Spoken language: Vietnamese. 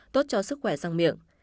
bốn tốt cho sức khỏe răng miệng